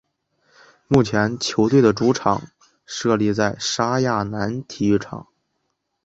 目前球队的主场设立在莎亚南体育场。